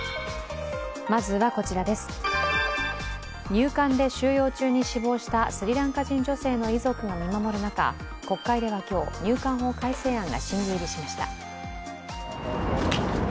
入管で収容中に死亡した、スリランカ人女性の遺族が見守る中国会では今日、入管法改正案が審議入りしました。